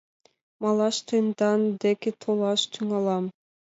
Малаш тендан деке толаш тӱҥалам.